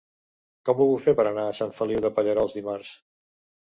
Com ho puc fer per anar a Sant Feliu de Pallerols dimarts?